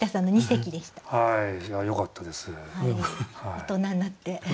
大人になって。